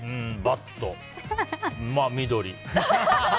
まあ、緑。